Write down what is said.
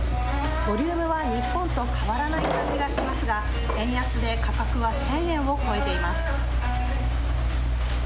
ボリュームは日本と変わらない感じがしますが、円安で価格は１０００円を超えています。